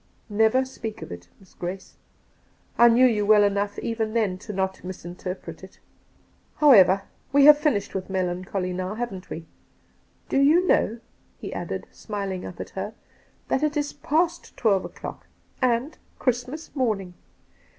* Never speak of it. Miss Grace. I knew you well enough even then to not misinterpret it. IJowever, we havp finished with melancholy now, haven't we 1 Do you know,' he added, smiling up at her, ' that it is past twelve o'clock, and Christ mas morning